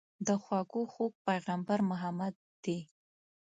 د خوږو خوږ پيغمبر محمد دي.